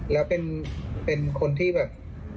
แล้วเป็นคนที่แบบ